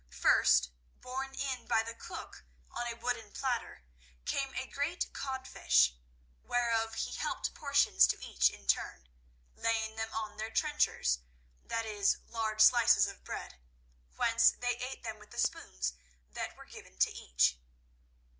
First, borne in by the cook on a wooden platter, came a great codfish, whereof he helped portions to each in turn, laying them on their "trenchers"—that is, large slices of bread—whence they ate them with the spoons that were given to each.